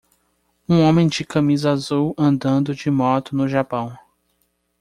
Um homem de camisa azul andando de moto no Japão.